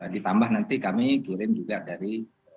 ditambah nanti kami kirim juga dari